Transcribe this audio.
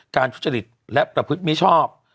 ทุจริตและประพฤติมิชอบ